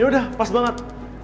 yaudah pas banget